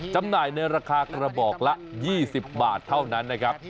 จำหน่ายในราคากระบอกละ๒๐บาทเท่านั้นนะครับ